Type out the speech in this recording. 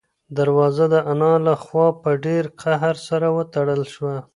دروازه د انا له خوا په ډېر قهر سره وتړل شوه.